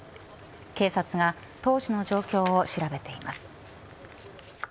警察が当時の状況を調べています。